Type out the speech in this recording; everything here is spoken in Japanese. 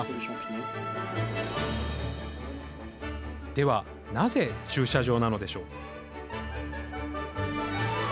ではなぜ駐車場なのでしょう？